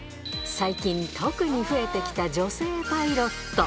最近特に増えてきた女性パイロット。